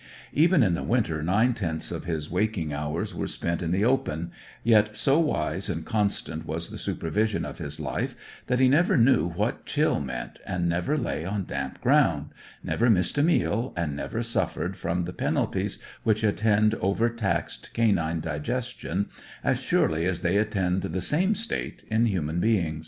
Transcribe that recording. Even in the winter nine tenths of his waking hours were spent in the open; yet so wise and constant was the supervision of his life that he never knew what chill meant, and never lay on damp ground, never missed a meal, and never suffered from the penalties which attend overtaxed canine digestion, as surely as they attend the same state in human beings.